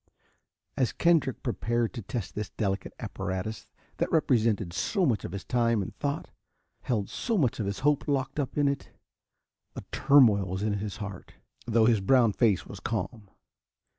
As Kendrick prepared to test this delicate apparatus that represented so much of his time and thought, held so much of his hope locked up in it, a turmoil was in his heart, though his brown face was calm.